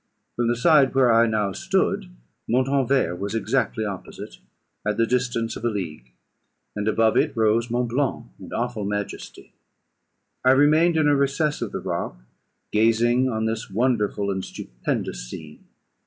From the side where I now stood Montanvert was exactly opposite, at the distance of a league; and above it rose Mont Blanc, in awful majesty. I remained in a recess of the rock, gazing on this wonderful and stupendous scene.